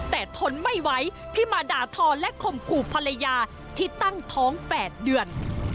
แต่ทนไม่ไหวที่มาด่าทอและข่มขู่ภรรยาที่ตั้งท้อง๘เดือน